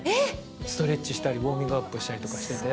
ストレッチしたりウォーミングアップしたりとかしてて。